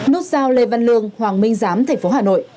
nút sao lê văn lương hoàng minh giám tp hà nội